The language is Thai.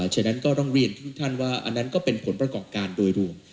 ฉะนั้นก็ต้องเรียนทุกท่านว่าอันนั้นก็เป็นผลประกอบการโดยรวม